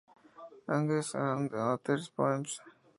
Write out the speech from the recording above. Agnes, and Other Poems".